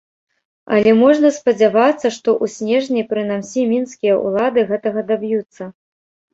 Але можна спадзявацца, што ў снежні прынамсі мінскія ўлады гэтага даб'юцца.